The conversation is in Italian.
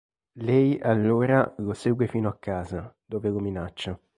Lei, allora, lo segue fino a casa, dove lo minaccia.